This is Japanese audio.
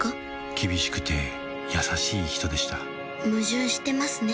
厳しくて優しい人でした矛盾してますね